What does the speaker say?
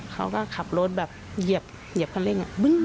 เขาก็ขับรถแบบเหยียบเหยียบขันเร่ง